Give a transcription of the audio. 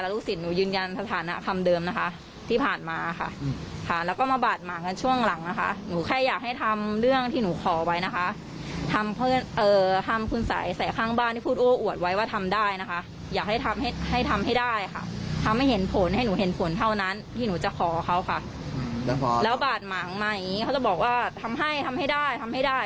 แล้วบาทหมางมาอย่างนี้เขาจะบอกว่าทำให้ทำให้ได้ทำให้ได้